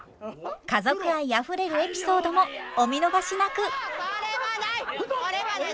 家族愛あふれるエピソードもお見逃しなく！